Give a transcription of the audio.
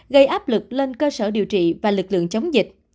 gây áp lực lên cơ sở điều trị và lực lượng chống dịch